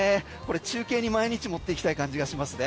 中継に毎日持っていきたい感じがしますね。